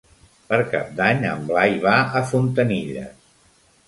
Per Cap d'Any en Blai va a Fontanilles.